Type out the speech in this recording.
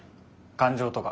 感情とか。